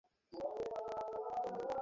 তার বাবা একজন ডাক্তার ছিলেন।